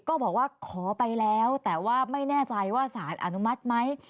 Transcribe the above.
ก็บอกว่าขอไปแล้วแต่ว่าไม่แน่ใจว่าสารอนุมัติไหม